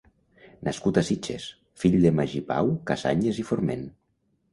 Nascut a Sitges, fill de Magí Pau Cassanyes i Forment.